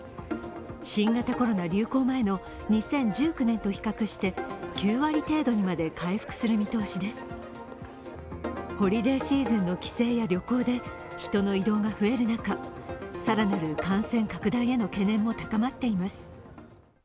新型コロナ流行前の２０１９年と比較して９割程度にまで回復する見通しですホリデーシーズンの帰省や旅行で人の移動で増える中、更なる感染拡大への懸念も高まっています。